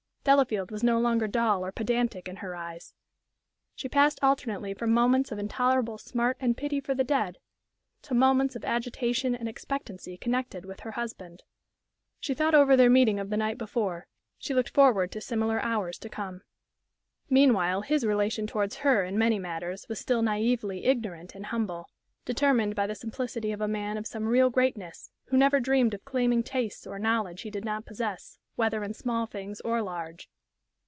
Delafield was no longer dull or pedantic in her eyes. She passed alternately from moments of intolerable smart and pity for the dead to moments of agitation and expectancy connected with her husband. She thought over their meeting of the night before; she looked forward to similar hours to come. Meanwhile his relation towards her in many matters was still naïvely ignorant and humble determined by the simplicity of a man of some real greatness, who never dreamed of claiming tastes or knowledge he did not possess, whether in small things or large.